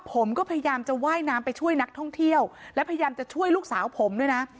ผมก็พยายามจะว่ายน้ำไปช่วยนักท่องเที่ยวและพยายามจะช่วยลูกสาวผมด้วยนะ